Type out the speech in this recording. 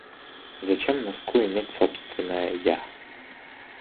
Зачем носку иметь собственное «я»?